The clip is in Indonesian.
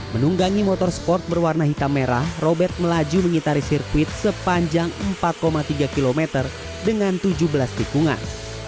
menunggangi motorsport berwarna hitam merah robert melaju mengitari sirkuit sepanjang empat tiga km dengan tujuh belas tikungan